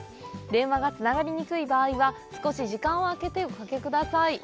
電話がつながりにくい場合は少し時間をあけておかけください。